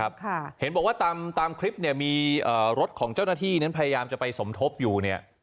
เห็นบอกว่าตามตามคลิปเนี่ยมีรถของเจ้าหน้าที่นั้นพยายามจะไปสมทบอยู่เนี่ย